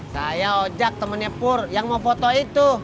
saya ojak temennya pur yang mau foto itu